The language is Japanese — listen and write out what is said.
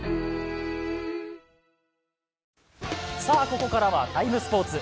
ここからは「ＴＩＭＥ，スポーツ」